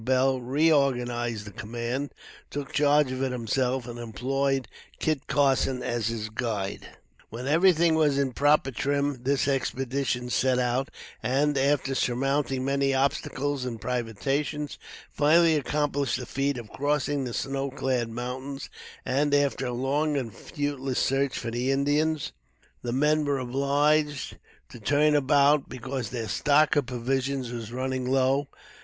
Beall reorganized the command, took charge of it himself, and employed Kit Carson as his guide. When everything was in proper trim, this expedition set out, and after surmounting many obstacles and privations, finally accomplished the feat of crossing the snow clad mountains, and after a long and fruitless search for the Indians, the men were obliged to turn about, because their stock of provisions was running low.